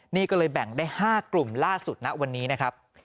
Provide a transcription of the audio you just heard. นี่ก็เลยแบ่งได้๕กลุ่มล่าสุดนะวันนี้นะครับ